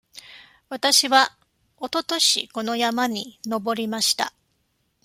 わたしはおととしこの山に登りました。